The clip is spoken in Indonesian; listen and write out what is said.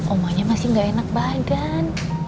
omanya masih gak enak badan